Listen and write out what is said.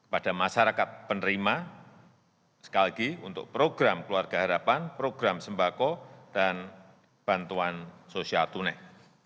pada masyarakat penerima sekali lagi untuk program keluarga harapan program sembako dan bantuan sosial tunai